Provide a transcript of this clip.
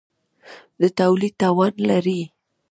د تولید توان لري.